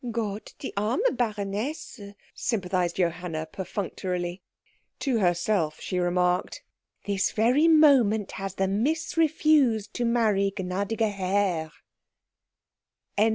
"Gott, die arme Baronesse," sympathised Johanna perfunctorily. To herself she remarked, "This very moment has the Miss refused to marry gnädiger Herr."